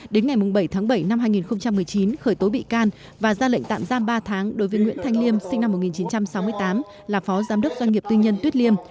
đến ngày bảy tháng bảy năm hai nghìn một mươi chín khởi tố bị can và ra lệnh tạm giam ba tháng đối với nguyễn thanh liêm sinh năm một nghìn chín trăm sáu mươi tám là phó giám đốc doanh nghiệp tư nhân tuyết liêm